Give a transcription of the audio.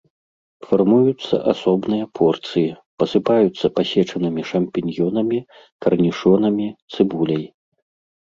Фармуюцца асобныя порцыі, пасыпаюцца пасечанымі шампіньёнамі, карнішонамі, цыбуляй.